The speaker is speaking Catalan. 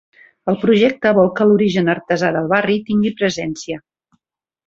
El projecte vol que l'origen artesà del barri tingui presència.